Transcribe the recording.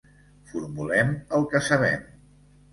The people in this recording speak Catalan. Formulem el que sabem.